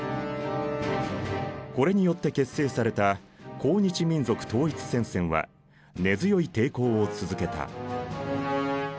これによって結成された抗日民族統一戦線は根強い抵抗を続けた。